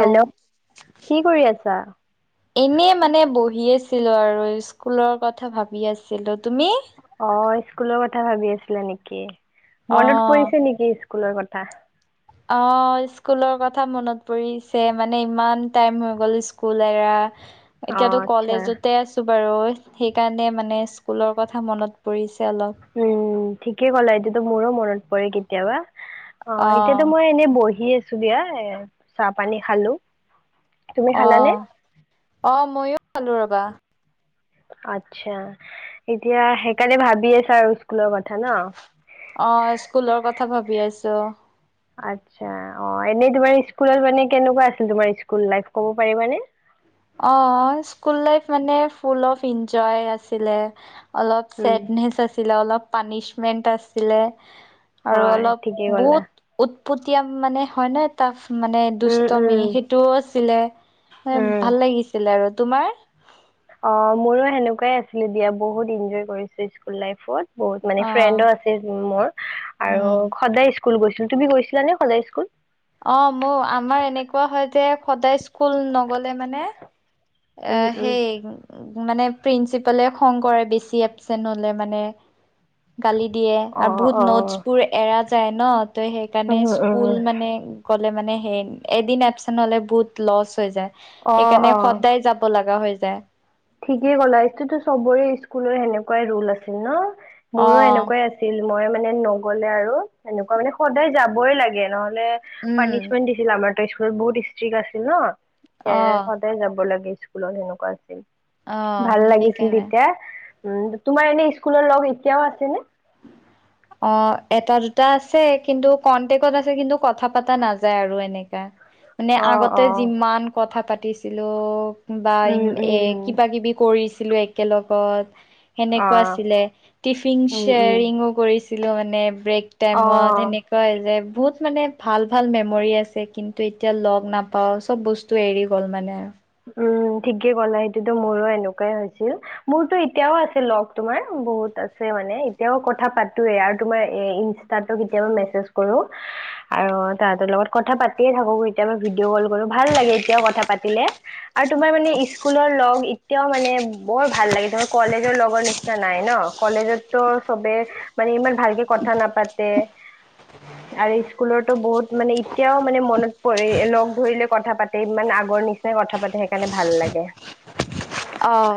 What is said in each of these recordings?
Hello কি কৰি আছা? এনে মানে বহি আছিলো আৰু স্কুলৰ কথা ভাবি আছিলোত। অ স্কুলৰ কথা ভাবি আছিলে নেকি, অ মনত পৰিছে নেকি? কুলৰ কথা। অ স্কুলৰ কথা মনত পৰিছে মানে ইমান টাইম হৈ গ'ল স্কুল এৰা। অ এতিয়াতো আচ্ছা কলেজতে আছো। বাৰু সেইকাৰণে মানে স্কুলৰ কথা মনত পৰিছ উম ঠিকে ক'লা এতিয়াটো মোৰো মনত পৰে কেতিয়াবা। অ' এতিয়াতো মই এনেই বহি আছোঁ দিয়া এ চাহ পানী খালোঁ। অহ' অহ' মইয়ো খালোঁ ৰ'বা। আচ্ছা, এতিয়া সেইকাৰণে ভাবি আছা আৰু স্কুলৰ কথা ন। অ' স্কুলৰ কথা ভাবি আছোঁ। আচ্ছা অ' এনে তোমাৰ মানে স্কুলৰ কেনেকুৱা আছিল তোমাৰ স্কুল লাইফ ক'ব পাৰিবানে? অ' স্কুল লাইফ মানে ফুল অফ্ এনঞ্জয় আছিলে। অলপ উম ছেডনেচ আছিলে অলপ পানিছমেন্ট আছিলে। আৰু হয় অলপ ঠিকেই ক'লা বহুত উত পতিয়াম মানে হয়নে তাক মানে উম দুষ্টমি উম সেইটোও আছিলে। উম। ছিলে আৰু তোমাৰ অ' মোৰো সেনেকুৱাই আছিলে দিয়া বহুত এনঞ্জয় কৰিছোঁ স্কুল লাইফত। বহুত মানে অ ফ্ৰেণ্ডো আছে মোৰ মোৰ আৰু উম সদায় স্কু স্কুল গৈছিলোঁ। তুমি গৈছিলানে সদায় স্কুল? অ' মোৰ আমাৰ এনেকুৱা হয় যে সদায় স্কুল নগলে মানে উম আহ উম হেই মানে প্ৰিন্ঞ্চিপালে খং কৰে বেছি এবচেন্ট হ'লে মানে গালি দিয়ে অ আৰু বহুত অ নোটচ বোৰৰ এৰা যায় ন তোৰ সেইকাৰণে উম উম স্কুল মানে গ'লে মানে সেই এদিন এপচেণ্ট হ'লে বহুত লচ্ হৈ যায়। অহ' অহ' লাগা হৈ যায়। ঠিকেই ক'লা ইচটোৰ চবৰে স্কুলৰ সেনেকুৱাই ৰোল আছিল ন মোৰো অ এনেকুৱাই আছিল মই মানে নগলে আৰু এনেকুৱা মানে সদায় যাবই লাগে নহ'লে মানে উম পানিচমেন্ট দিছিল আমাৰ তাৰ স্কুলত বহুত ষ্ট্ৰিক্ আছিল ন। এ অ', সদায় যাব লাগে স্কুলত সেনেকুৱা আছিল। অ', ভাল লাগিছিল সেইকাৰণে তেতিয়া উম তোমাৰ এনে স্কুলৰ লগ এতিয়াও আছে নে। [inaudible] অ এটা দুটা আছে কিন্তু কনটেক্টত আছে কিন্তু কথা পতা নাযায় আৰু এনেকা। মানে অ আগতে অ যিমান কথা পাতিছিলো। বা উম উম এ উম কিবা কিবি কৰিছিলো একেলগত, অ সেনেকুৱা আছিলে টিফিন উম উম শ্বেয়াৰিং কৰিছিলো মানে। ব্ৰেক টাইমত অ সেনেকুৱা যে। বহুত মানে ভাল ভাল মেমৰি আছে কিন্তু এতিয়া লগ নাপাওঁ চব বস্তু এৰি গ'ল মানে। উম ঠিকে ক'লা সেইটোতো মোৰো এনেকুৱাই হৈছিল মোৰতো এতিয়াও আছিল লগ তোমাৰ বহুত, আছে মানে এতিয়াও কথা পাতো এ আৰু তোমাৰ এ ইনষ্ট্ৰাটো কেতিয়াবা মেচেজ কৰো। আৰু তাহাঁতৰ লগত কথা পাতিয়ে থাকো এতিয়া ম ভিডিঅ' কল কৰো ভাল লাগে এতিয়াও কথা পাতিলে। আৰু তোমাৰ মানে স্কুলৰ লগ এতিয়াও মানে বৰ ভাল লাগে তোমাৰ কলেজৰ লগৰ নিচিনা নাই। ন কলেজততো চবে মানে ইমান ভালকে কথা নাপাতে। আৰু স্কুলতো বহুত মানে এতিয়াও মানে মনত পৰি লগ ধৰিলে কথা পাতে ইমান আগৰ নিচিন কথা পাতে সেইকাৰণে ভাল লাগে। অঁ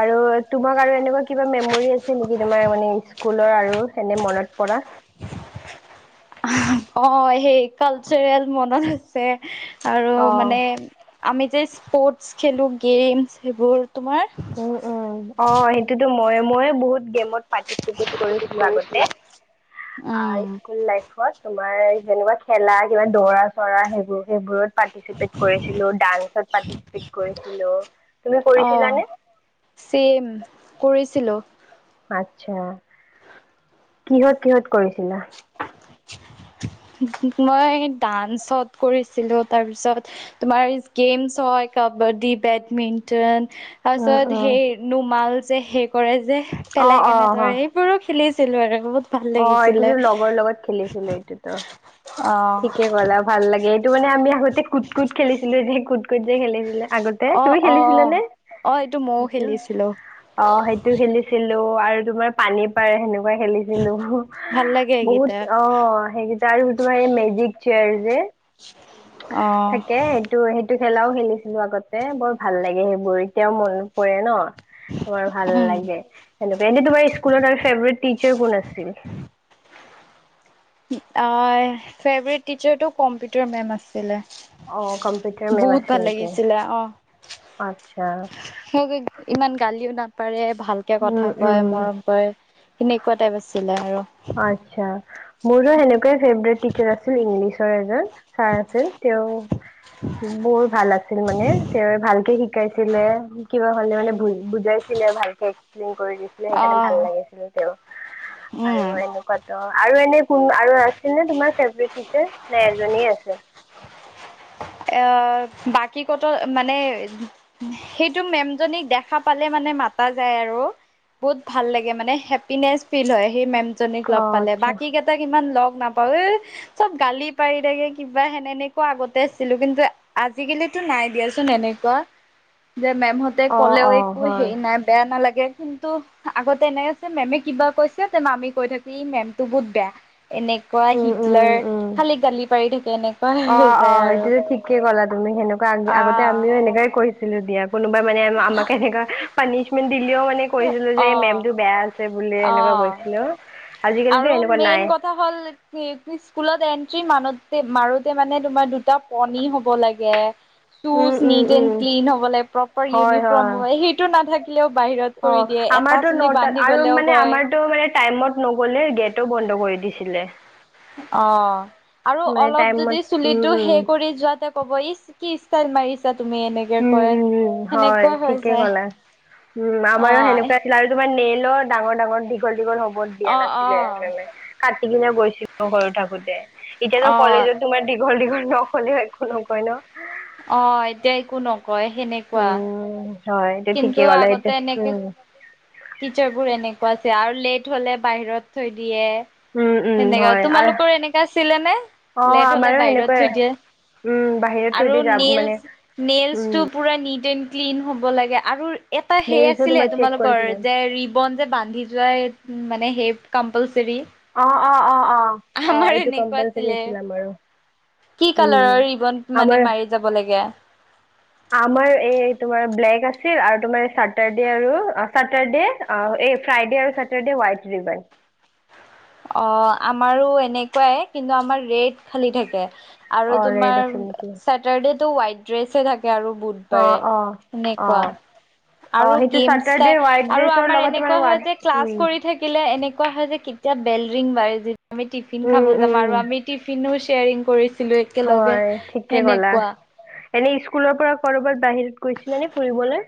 আৰু তোমাক আৰু এনেকুৱা কিবা মেমৰি আছে নেকি তোমাৰ মানে স্কুলৰ আৰু এনে মনত পৰা। ৰা, অ সেই কালচাৰেল মনত আছে আৰু অ মানে, আমি যে স্পৰ্টচ খেলো গেম সেইবোৰ তোমাৰ। উম উম অ সেইটোতো মই মই বহুত, গেমত পৰ্তিচপেত কৰিছিলোঁ আগতে আ উম, স্কুল লাইভত, তোমাৰ যেনেকুৱা খেলা, কিবা দৌৰা, চ'ৰা সেইবোৰ, সেইবোৰত পাৰ্টিচিপেট কৰিছিলোঁ, ডাঞ্চত পাৰ্টিচিপেট কৰিছিলোঁ, তুমি কৰিছিলানে? চেম, কৰিছিলোঁ। আতছা। কিহত, কিহত কৰিছিলা? মই ডান্সত কৰিছিলোঁ, তাৰপিছত তোমাৰ গেমছ হয়, কা কাবাডী, বেডমিণ্টন। উম তাৰপিছত উম সেই নোমাল যে, সেইকৰে যে, অ পেলাই অ কেনে হ দৌৰে এইবোৰো খেলি ছিলো আৰু বহুত ভাল অ লাগিছিলে। এইটোতো লগৰ লগত খেলিছিলো এইটোতো অ', ঠিকে ক'লা ভাল লাগে, এইটো মানে আমি আগতে কুট কুট খেলিছিলোঁ যে, কুট কুট যে, খেলিছিলে আগতে অ', তুমি খেলিছিলা অ', নে? অ', এইটো ময়ও সেইটো খেলিছিলোঁ অ', সেইটো খেলিছিলোঁ। আৰু তোমাৰ পানী পাৰে সেনে খেলিছিলোঁ, ভাল লাগে বহুত এইকেইটা অ', সেইগিটা আৰু [unintelligible] মেজিক চেয়াৰ যে। থাকে, অ', সেইটো, সেই টো খেলাও খেলিছিলোঁ, আগতে বৰ ভাল লাগে সেইবোৰ এতিয়াও মনত পৰে ন? তোমাৰ ভাল উম। লাগে, এনেকুৱা এনে তোমাৰ ইস্কুলত আৰু ফেভৰেত টিচাৰ কোন আছিল? অ', ফেভৰেট টিচাৰটো কম্পিউটাৰ মেম আছিলে। অ', কম্পিউটাৰ মেম বহুত আছিল ভাল নেকি? লাগিছিলে অ'। আচ্ছা, [unintelligible] ইমান গালিয়ো না পাৰে ভালকে কথা উম, কয়, মৰম উম। কৰে, সেনেকুৱা টাইপ আছিলে আৰু। আচ্ছা, মোৰো হেনেকুৱাই ফেভৰেইট টিচাৰ আছিল ইংলিছৰ এজন ছাৰ আছিল। তেওঁ বৰ ভাল আছিল মানে, তেৱু ভালকে শি শিকাইছিলে। কিবা হ'লে মানে বু-বুজাইছিলে ভালকে এক্সপ্লেইন কৰি দিছিলে। সেইকাৰণে ভাল অ', লাগিছিল তেওঁ আৰু উম। এনেকুৱাতো আৰু এনে [unintelligible] আৰু আছিলনে তোমাৰ ফেভৰেইট টিচাৰ? নে এজনেই আছিল? এ বাকী কত মানে সেইটো মেমজনীক দেখা পালে মানে মাতা যায় আৰু বহুত ভাল লাগে। মানে হেপিনেচ ফিল হয়, হেই মেম জনীক লগ অ', পালে, আচ্ছা, বাকী কেইটাক ইমান লগ নাপায়ে, চব গালি পাৰি থাকে কিবা সেনে-নেকুৱা আগতে আছিলো কিন্তু আজিকালিতো নাই দিয়াচোন এনেকুৱা। যে মেমহতে অ', ক'লেও অ', একো হয়, হেৰি নাই, বেয়া নালাগ [unintelligible] কিন্তু আগতে এনে আছে, মেমে কিবা কৈছে তে আমি কৈ থাকি ই মেমটো বহুত বেয়া। এনেকুৱা উম, উম, হিটলাৰ, উম। খালী গালি পাৰি থাকে। এনেকুৱা হৈ অ', যায় অ', আৰু সেইটোতো ঠিকে ক'লা তুমি। হেনেকুৱ আগে-আগতে আমিও আহ এনেকাই কৈছিলো দিয়া। কোনোবাই মানে আমাক এনেকা পানিচমেন্ট দিলেও মানে কৈছিলো যে অ এই মেমটো বেয়া আছে বুলি, অ এনেকুৱা কৈছিলো। আজিকালিতো আৰু এনেকুৱা নাই মেইন কথা হ'ল কি [unintelligible] স্কুলত এন্ট্ৰি মানোতে-মাৰোতে মানে তোমাৰ দুটা পণী হ'ব লাগে। উম, চোজ um, neat and um, clean হ'ব লাগে, প্ৰপাৰ হয়, হয়, ইউনিফৰ্ম হ'ব ল, সেইটো নাথাকিলেও বাহিৰত কৰি অ'। দিয়ে। এটা আমাৰতো চুলি নটাত বান্ধি আৰু গলেও মানে কয় আমাৰতো মানে টাইমত ন'গলে গেটো বন্ধ কৰি দিছিলে। অ', আৰু মানে অলপ টাইমত যদি উম, চুলিটো উম, সেই কৰি যোৱাতে ক'ব ইচ কি ষ্টাইল মাৰিছা তুমি, এনেকে উম, কয়। উম, উম, হয় সেনেকুৱা হৈ ঠিকে যায়। ক'লা। উম, আমাৰো সেনেকুৱা অ আছিলে। আৰু তোমাৰ নেইল ত' ডাঙৰ- ডাঙৰ, দীঘল-দীঘল হ'বত দিয়া অ নাছিলে মানে কাট কাটি কিনে গৈছিলো সৰু থাকোতে অ এতিয়াতো অ কলেজত তোমাৰ দীঘল- দীঘল নখ হলিও একো নকয় ন? অ, এতিয়া একো নকয় সেনেকুৱা। উম হয় এতিয়া ঠিকে গলে এতিয়া [unintelligible] টিচাৰ বোৰ এনেকুৱা আছে আৰু লেট হলে বাহিৰত থৈ দিয়ে উম উম সেনেকা হয় আৰু তোমালোকৰ এনেকা আছিলে নে অ লেট হলে আমাৰো বাহিৰত সেনেকুৱাই থৈ দিয়ে? উম বাহিৰত থৈ আৰু দি যাব মানে নেইলছ - উম নেইলছটো পুৰা নিট এণ ক্লিন হ'ব লাগে আৰু এটা সেই নেইলছো আছিলে তোমাৰ চেক কৰিছিলো তোমালোকৰ যে ৰিবন যে বান্ধি যোৱাই মানে সেই কম্পালচৰি? অ', অ', অ', অ', অহ, আমাৰ এইটো এনেকুৱা কম্পালচাৰী আছিলে আমাৰো। কি উম কালাৰৰ ৰিবন মানে আমাৰ মাৰি যাব লাগে? আমাৰ এই তোমাৰ ব্লেক আছ আছিল আৰু তোমাৰ চাটাৰডে আৰু চাটাৰডে এই ফ্ৰাইডে আৰু চাটাৰডে হোৱাইট ৰিবন। [unintelligible] অ, আমাৰো এনেকুৱাই কিন্তু আমাৰ ৰেট খালী থাকে। আৰু অঁ ৰেড তোমাৰ আছিল নেকি চেটাৰডে তো হোৱাইট ড্ৰেছে থাক কে আৰু অঁ বুধবাৰে অঁ সেনেকুৱা। অঁ অঁ আৰু সেইটো গেমছাই চাটাৰডে হোৱাইট আৰু ড্ৰেছৰ আমাৰ লগত তোমাৰ এনেকুৱা হয় হোৱাইট যে ক্লাছ উম কৰি থাকিলে এনে এনেকুৱা হয় যে কেতিয়া বেল ৰিং বাঢ়ি যে আমি টিফিন খাব উম যাম আৰু উম আমি টিফিনো শ্বেয়েৰিং কৰিছ ছিলো একেলগে হয় ঠিকে ক'লা সেনেকুৱা। এনেই স্কুলৰ পৰা কৰবাত বাহিৰত গৈছিলে নে ফুৰিবলে?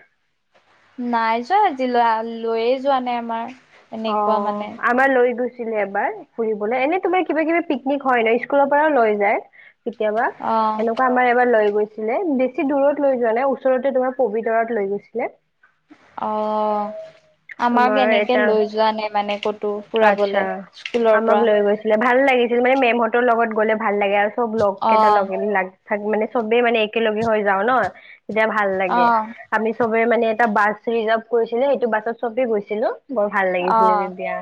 নাই যোৱা আজিলৈ লৈয়ে যোৱা নাই আমাৰ। অ এনেকুৱা মানে আমাৰ লৈ গৈছ এবাৰ ফুৰিব এনে তোমাৰ কিবা কিব পিকনিক হয় ন স্কুলৰ পৰাও লৈ যায়। কেতিয়াবা অ', এনেকুৱা আমাৰ এবাৰ লৈ গছিলে বেছি দূৰত লৈ যোৱা নাই ওচৰতে তোমাৰ পবিতৰত লৈ গৈছিলে। অ আমাক তোমাৰ এনেকে এটা লৈ য যোৱা নে মানে ক'তো আচ্ছা ফুৰাবলে স্কুলৰ আমাক পৰা। লৈ গৈছে ভাল লাগিছিল মানে মেমহতৰ লগত গ'লে ভাল লাগে আৰু চব লগ কেইটাৰ অ', লগ লাগ মানে চবেই মানে একেলগে হৈ যাও ন তেতিয়া ভাল লাগে অ', আমি চব, মানে এটা বাছ ৰিজাৰ্ভ কৰিছিলে সেইটো বাছত চবে গৈছিলো। ভাল লাগিছিলে অ', তেতিয়া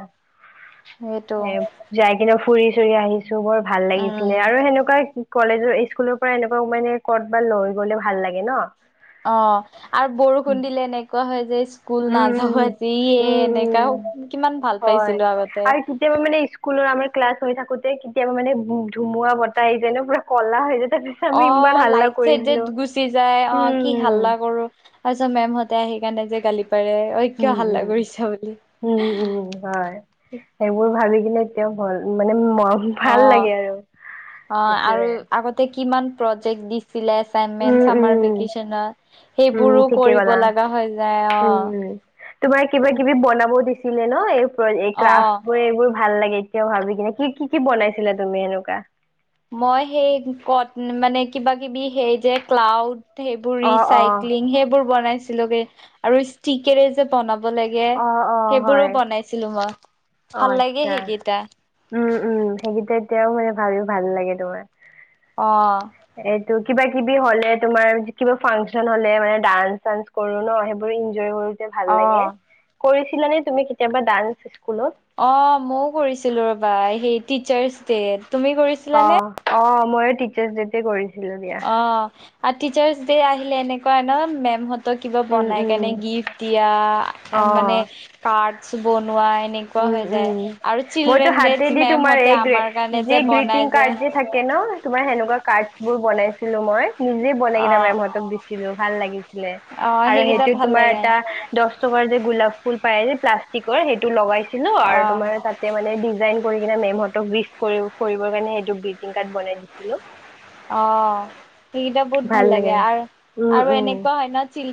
সেইটো এ যাই কিনে ফুৰি চুৰি আহি, বৰ ভাল লাগিছিলে উম, আৰু সেনেকুৱাই, কলেজৰ স্কুলৰ পৰা এনেকুৱা মানে ক'ত বা লৈ গলে ভাল লাগে ন। অ আৰু বৰষুণ দিলে এনেকুৱা হয়। যে স্কুল নাযাও উম আজি এ উম উম এনেকা উম কিমান ভাল হয় পাইছিলো আগতে। আৰু কেতিয়াবা মানে স্কুলৰ আমাৰ ক্লাছ হৈ থাকোতে কেতিয়াবা মানেম ধুমুহা বতাহ আহি যায় ন পুৰা ক'লা হৈ যায়, তাৰপিছত আমি অ ইমান হাল্লা লাইট চাইট যে কৰিছিলো গুচি যায় অ কি উম হাল্লা কৰো তাৰপিছত মেমহতে আহি সেইকাৰণে যে গালি পাৰে ঐ উম কিয় হাল্লা উম কৰিছা বুলি উম উম হয় সেইবোৰ ভাবি কি এতিয়াও ভয় মানে ম- অ ভাল লাগে আৰু অ আৰু সেইটোয়ে আগতে কিমান প্ৰজেক্ট দিছে চিলে উম এচাইনমেন্ট চামাৰ উম ভিকেচনৰ উম সেইবোৰো ঠিকে কৰিব ক'লা লগা হৈ যায় অ উম তোমাৰ কিবা কিবি বনাব দিছিলে ন এই প্ৰ ক্ৰাফ্ট অ'। বোৰ এইবোৰ ভাল লাগে এতিয়াও ভাবি কিনে কি কি কি বনাইছিলা তুমি হেনকা মই সেই ক মানে কিবা কিবি সেই যে ক্লাউড সেইবোৰ অ অ ৰিচাইক্লিং সেইবোৰ বনাইছিলোগে আৰু ষ্টিকেৰে যে বনাব লে অ অ সেইবোৰো হয় বনাইছিলো মই অ ভাল লাগে আচ্ছা সেইকেইটা উম উম সেইকেইটা এতিয়াও মান ভাবি ভাল লাগে তোমাৰ অ ত কিবা কিবি হলে তোমাৰ কিবা ফাংচন হলে মানে ডান্স চানচ্ কৰো ন সেইবোৰ এনজয় কৰো ভাল লাগে অ'। কৰিছিলা নে তুমি কেতিয়াবা ডানস অ মইও কৰিছিলো ৰবা সেই টিচাৰ্চ দেত অ অ ময়ো টিচাৰ্চ ডেতে কৰিছো অ আৰু টিচাৰ্চ দে আহিলে এনেকুৱা ন মেমহ কিবা উম বনাই উম কেনে গিফট দিয়া মানে অ কাৰ্ডছ বনাই উম হৈ যায় উম আৰু মইতো চিলড্ৰেন হাতেদি তোমাৰ এই মেমহতে গ্ৰে- আমাৰ কাৰণে যে গ্ৰিটিং বনাই যে কাৰ্ড থাকে ন তোমাৰ সেনেকুৱা কাৰ্ড বোৰ বনাইছিলো মই নিজে বনাই অ কিনে মেমঁহতক দিছিলো ভাল লাগিছিল অ আৰু সেইকেইটা সেইটো ভাল তোমাৰ লাগে এটা দহ চবাৰ যে গোলাপ ফুল পাই যে প্লাষ্টিকৰ সেইটো লগাইছিলো অ আৰু তোমাৰ তাতে মানে ডিজাইন কৰি কিনে মেমহতক গ্ৰিফ কৰি কৰিবৰ কাৰণে এইটো গ্ৰিটিং কাৰ্ড বনাই দিছিলো অ সেইকেইটা বহুত ভাল লাগে আৰু উম আৰু উম এনেকুৱা হয় ন চিল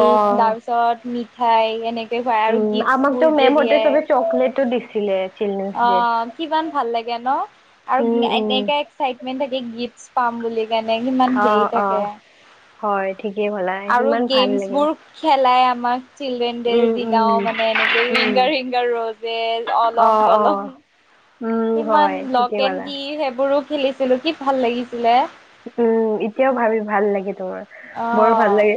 অ খাই এনেকে খায় আৰু উম গিফ্টচ আমাকতো বোৰ যে মেমহঁতে দিয়ে চবে চকলেটো দিছিলে চিলড্ৰেনছ অ ডেত কিমান ভাল লাগে ন আৰু উম এনে উম এনেকা একচাইটমেন্ট থাকে গিফ্টচ পাম বুলি কেনে কিমান অ হেৰি থাকে অ হয় ঠিকেই ক'লা আৰু ইমান ভাল গেমছ লাগে। বোৰ খেলাই আমাক চিল্ড্ৰেন ডে উম উম দিনাও মানে এনেকে উম। ৰিংগা ৰিংগা ৰৌজেচ্ অ অলং অ দলং উম ইমান হয় ঠিকেই লকেন ক'লা। কি সেইবোৰো খেলিছিলোঁ কি ভাল লাগিছিলে উম এতিয়াও ভাবি ভাল লাগে তোমাৰ বৰ ভাল অ', লাগে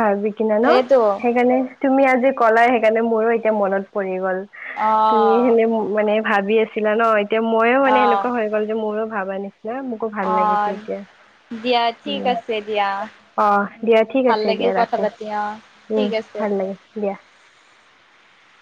ভাবি কিনে ন সেইটো সেইকাৰণে তুমি আজি ক'লা সেইকাৰণে মোৰো এতিয়া মনত পৰি গ'ল তুমি অ', সেনে মানে ভাবি আছিলা ন এতিয়া ময়ো মানে অ', সেনেকুৱা হৈ গ'ল যে মোৰো ভাবা নিচিনা মোক ভাল লাগিছে অ', এতিয়া দিয়া ঠিক উম আছে দিয়া অ দিয়া উম, ঠিক ভাল আছে লাগিল দিয়া কথা ৰাখো পাতি অ', ঠিক উম আছে। ভাল লাগে দিয়া [unintelligible]